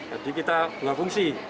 jadi kita dua fungsi